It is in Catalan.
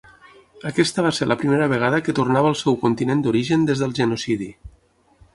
Aquesta va ser la primera vegada que tornava al seu continent d'origen des del genocidi.